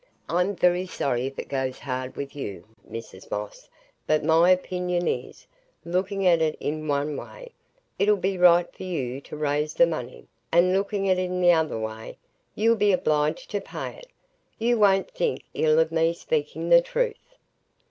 I'm very sorry if it goes hard with you, Mrs Moss, but my opinion is, looking at it one way, it'll be right for you to raise the money; and looking at it th' other way, you'll be obliged to pay it. You won't think ill o' me for speaking the truth."